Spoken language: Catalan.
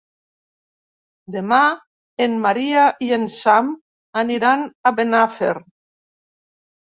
Demà en Maria i en Sam aniran a Benafer.